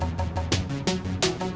yang sama banyak menemukan